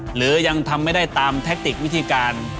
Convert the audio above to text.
หรือยังทำไม่ได้ตามแทคติกวิธีการ